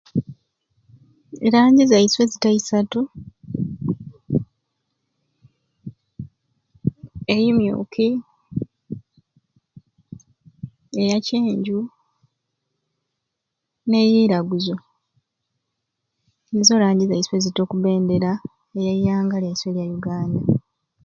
Erangi zaiswe zita isatu, eimyuki, eyakyenju neiraguzu nizo langi zaiswe ezita oku bendera eyaianga lyaiswe elya Yuganda